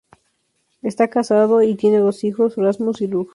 Está casado y tiene dos hijos: Rasmus y Rufus.